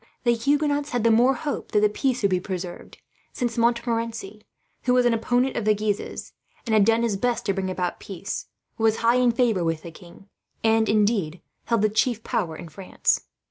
The Huguenots had the more hope that the peace would be preserved, since Montmorency, who was an opponent of the Guises, and had done his best to bring about peace, was high in favour with the king; and indeed, held the chief power in France.